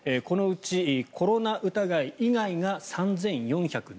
このうちコロナ疑い以外が３４７０件。